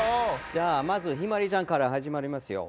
じゃあまずひまりちゃんから始まりますよ。